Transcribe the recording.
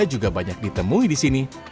juga banyak ditemui di sini